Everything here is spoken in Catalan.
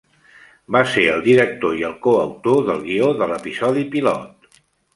Va ser el director i el coautor del guió de l'episodi pilot.